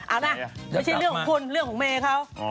เอาล่ะนี่ชิ้นเรื่องของคุณเรื่องของเมเขา